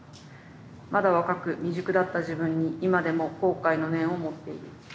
まだ若く未熟だった自分に今でも後悔の念を持っている」。